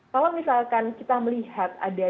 kalau misalkan kita melihat ada